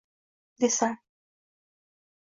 Desam